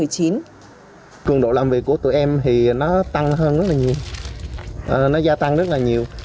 cường độ làm việc của tụi em thì nó tăng hơn rất là nhiều nó gia tăng rất là nhiều